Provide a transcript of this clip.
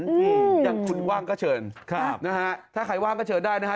อืมอย่างคุณว่างก็เชิญครับนะฮะถ้าใครว่างก็เชิญได้นะฮะ